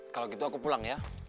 kalau gitu aku pulang ya